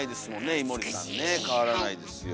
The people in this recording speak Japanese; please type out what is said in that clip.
井森さんね変わらないですよ。